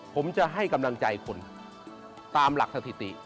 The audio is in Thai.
ผมจะให้กำลังใจคนตามหลักสถิติ